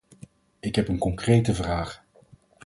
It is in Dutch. Ik heb een concrete vraag.